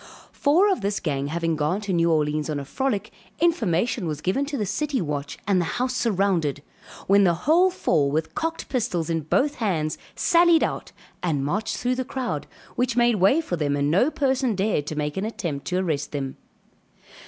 Four of this gang having gone to New Orleans on a frolic, information was given to the city watch, and the house surrounded, when the whole four with cocked pistols in both hands sallied out and marched through the crowd which made way for them and no person dared to make an attempt to arrest them.